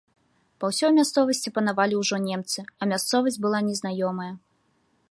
Па ўсёй мясцовасці панавалі ўжо немцы, а мясцовасць была незнаёмая.